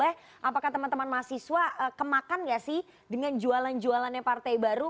pertanyaan juga boleh apakah teman teman mahasiswa kemakan gak sih dengan jualan jualannya partai baru